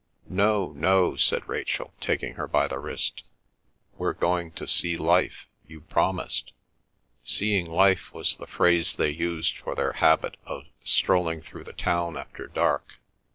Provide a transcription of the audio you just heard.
"No, no," said Rachel, taking her by the wrist. "We're going to see life. You promised." "Seeing life" was the phrase they used for their habit of strolling through the town after dark.